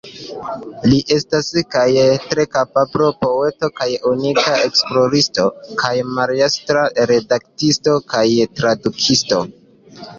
Li estas kaj tre kapabla poeto kaj unika esploristo, kaj majstra redaktisto kaj tradukisto.